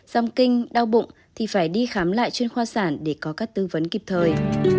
giam kinh đau bụng thì phải đi khám lại chuyên khoa sản để có các tư vấn kịp thời